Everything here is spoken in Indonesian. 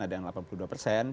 ada yang delapan puluh dua persen